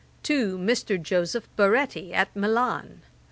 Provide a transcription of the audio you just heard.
'To MR. JOSEPH BARETTI, AT MILAN.